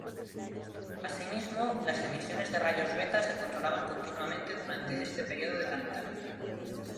Asímismo, las emisiones de rayos beta se controlaban continuamente durante este periodo de calentamiento.